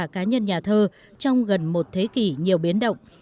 cá nhân nhà thơ trong gần một thế kỷ nhiều biến động